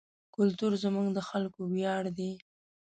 کلتور زموږ د خلکو ویاړ دی.